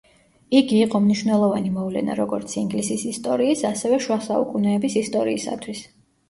იგი იყო მნიშვნელოვანი მოვლენა, როგორც ინგლისის ისტორიის, ასევე შუა საუკუნეების ისტორიისათვის.